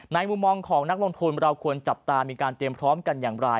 มุมมองของนักลงทุนเราควรจับตามีการเตรียมพร้อมกันอย่างไร